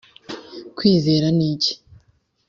kwizera niki